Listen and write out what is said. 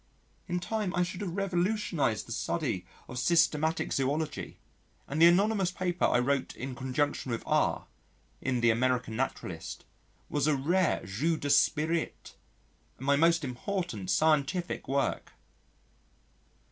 In time I should have revolutionised the study of Systematic Zoology, and the anonymous paper I wrote in conjunction with R in the American Naturalist was a rare jeu d'esprit, and my most important scientific work.